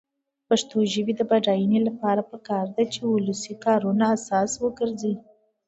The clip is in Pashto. د پښتو ژبې د بډاینې لپاره پکار ده چې ولسي کارونه اساس وګرځي.